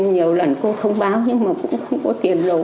nhiều lần cô thông báo nhưng mà cũng không có tiền rồi